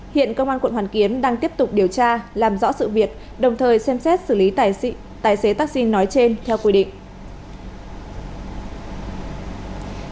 hiện công an quận hoàn kiếm đang tiếp tục điều tra làm rõ sự việc đồng thời xem xét xử lý tài xế taxi nói trên theo quy định